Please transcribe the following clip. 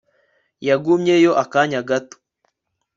yagumyeyo akanya gato